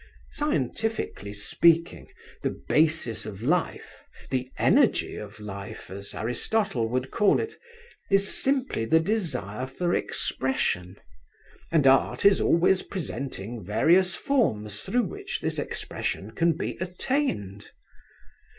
Scientifically speaking, the basis of life—the energy of life, as Aristotle would call it—is simply the desire for expression, and Art is always presenting various forms through which this expression can be attained.